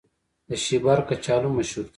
د شیبر کچالو مشهور دي